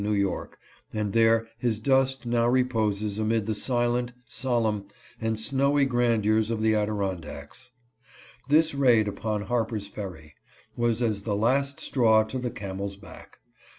Y., and there his dust now reposes amid the silent, solemn, and snowy grandeurs of the Adirondacks. This raid upon Harper's Ferry was 376 THE AUTHOR FEARS ARREST. as the last straw to the camel's back.